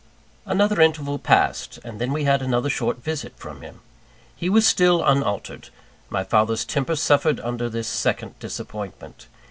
Another interval passed; and then we had another short visit from him. He was still unaltered. My father's temper suffered under this second disappointment.